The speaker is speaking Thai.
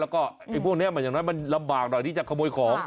แล้วก็ไอ้พวกนี้อย่างน้อยมันลำบากหน่อยที่จะขโมยของ